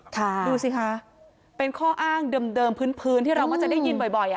ดูสิคะเป็นข้ออ้างเดิมพื้นที่เราก็จะได้ยินบ่อย